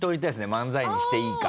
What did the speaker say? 漫才にしていいか。